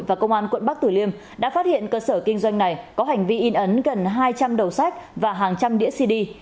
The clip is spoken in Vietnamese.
và công an quận bắc tử liêm đã phát hiện cơ sở kinh doanh này có hành vi in ấn gần hai trăm linh đầu sách và hàng trăm đĩa cd